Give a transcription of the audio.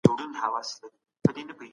عدالت د هر چا حق دی.